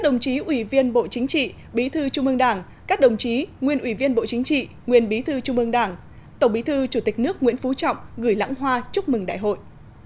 nguyên bộ chính trị nguyên bí thư trung mương đảng tổng bí thư chủ tịch nước nguyễn phú trọng gửi lãng hoa chúc mừng đại hội